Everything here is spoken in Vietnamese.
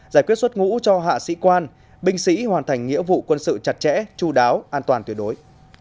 giải quyết xuất ngũ cho hạ sĩ quan binh sĩ hoàn thành nghĩa vụ quân sự chặt chẽ chú đáo an toàn tuyệt đối